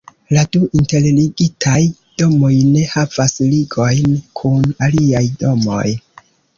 La du interligitaj domoj ne havas ligojn kun aliaj domoj.